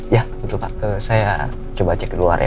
ya betul pak saya coba cek di luar ya